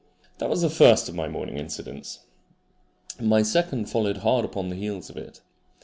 That was the first of my morning incidents. My second followed hard upon the heels of it.